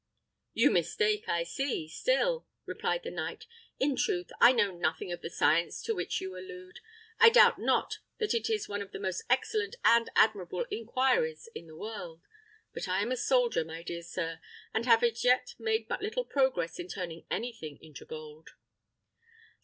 "You mistake, I see, still," replied the knight. "In truth, I know nothing of the science to which you allude. I doubt not that it is one of the most excellent and admirable inquiries in the world; but I am a soldier, my dear sir, and have as yet made but small progress in turning anything into gold."